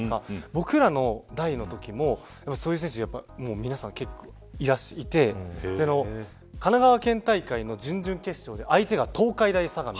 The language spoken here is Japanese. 僕らの代のときも皆さん結構いて神奈川県大会の準々決勝で相手が東海大相模。